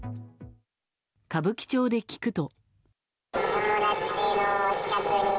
歌舞伎町で聞くと。